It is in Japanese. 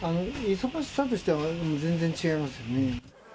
忙しさとしては全然違いますね。